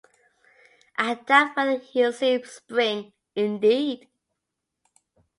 I doubt whether he’ll see spring, indeed.